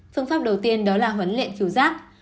phương pháp đầu tiên đó là huấn luyện khíu giác